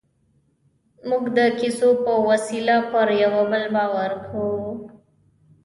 موږ د کیسو په وسیله پر یوه بل باور کوو.